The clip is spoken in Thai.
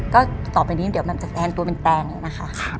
ก็ต่อไปนี้เดี๋ยวมันจะแอนตัวเป็นแตนเองนะคะ